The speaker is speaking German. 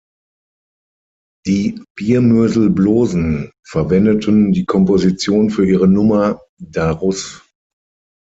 Die Biermösl Blosn verwendeten die Komposition für ihre Nummer „Da Russ“.